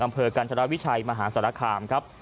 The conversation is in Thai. อำเภอกันธรวิชัยมหาสารคามครับ